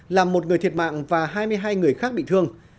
làm một người thiệt mạng và hai mươi hai người khác bị thương